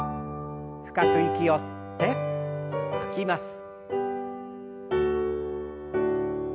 深く息を吸って吐きます。